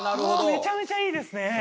めちゃめちゃいいですね。